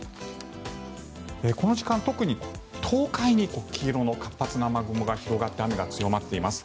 この時間、特に東海に黄色の活発な雨雲が広がって雨が強まっています。